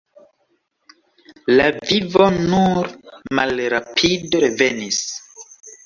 La vivo nur malrapide revenis.